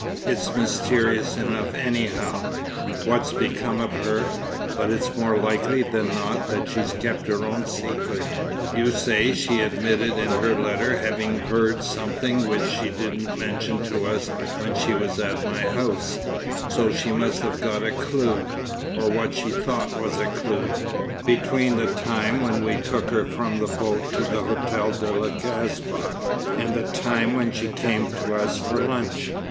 It's mysterious enough anyhow, what's become of her; but it's more likely than not that she kept her own secret. You say she admitted in her letter having heard something which she didn't mention to us when she was at my house; so she must have got a clue, or what she thought was a clue, between the time when we took her from the boat to the Hotel de la Kasbah, and the time when she came to us for lunch."